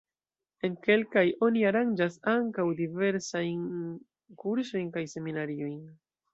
En kelkaj oni aranĝas ankaŭ diversajn kursojn kaj seminariojn.